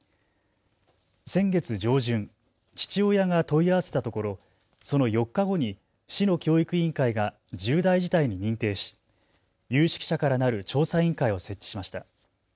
先月上旬、父親が問い合わせたところ、その４日後に市の教育委員会が重大事態に認定し有識者からなる調査委員会を設置しました。